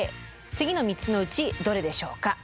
次の３つのうちどれでしょうか？